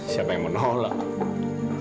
siapa yang menolak